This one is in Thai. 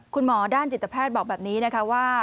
คุณหมอด้านจิตแพทย์บอกแบบนี้นะคะว่า